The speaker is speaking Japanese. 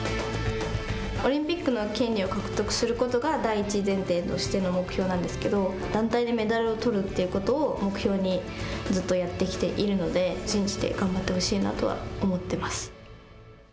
オリンピックの権利を獲得することが第一前提としての目標なんですけれども、団体でメダルを取るということを目標にずっとやってきているので、信じて頑張ってほしいなとは思っています。